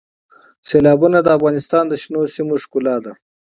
سیلابونه د افغانستان د شنو سیمو ښکلا ده.